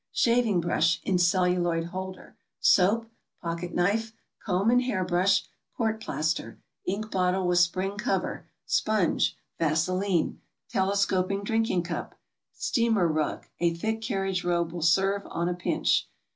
Shaving brush, in celluloid holder. Soap. Pocket knife. Comb and hair brush. Court plaster. Ink bottle with spring cover. Sponge. Vaseline. Telescoping drinking cup. Steamer rug (a thick carriage robe will serve, on a pinch).